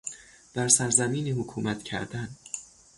بر سرزمینی حکومت کردن